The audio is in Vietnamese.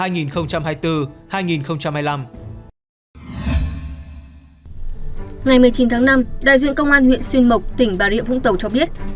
ngày một mươi chín tháng năm đại diện công an huyện xuyên mộc tỉnh bà rịa vũng tàu cho biết